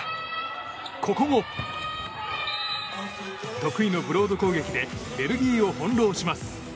得意のブロード攻撃でベルギーをほんろうします。